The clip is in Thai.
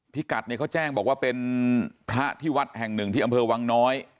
พี่กัดเนี่ยเขาแจ้งบอกว่าเป็นพระที่วัดแห่งหนึ่งที่อำเภอวังน้อย